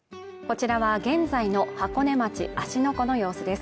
こちらは現在の箱根町芦ノ湖の様子です